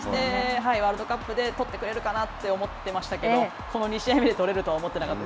ワールドカップで取ってくれるかなって思ってましたけど、この２試合目で取れるとは思ってなかっ